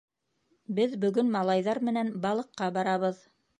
Беҙ бөгөн малайҙар менән балыҡҡа барабыҙ.